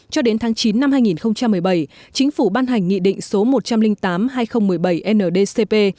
cho đến tháng chín năm hai nghìn một mươi bảy chính phủ ban hành nghị định số một trăm linh tám hai nghìn một mươi bảy ndcp